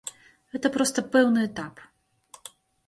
Гэта проста пэўны этап.